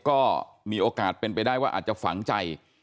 ก็มีโอกาสเป็นไปได้ว่าอาจจะฝังใจ